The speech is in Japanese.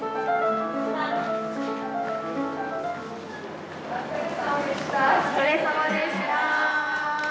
お疲れさまでした。